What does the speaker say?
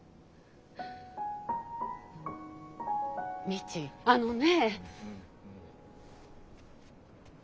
未知あのね。